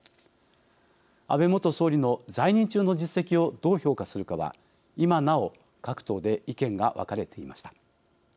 安倍元総理の在任中の実績をどう評価するかは今なお各党で意見が分かれていました。